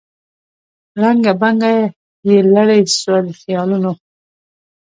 ړنګه بنګه یې لړۍ سوه د خیالونو